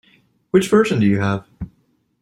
Which version do you have?